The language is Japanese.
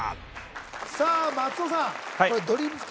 さあ松尾さん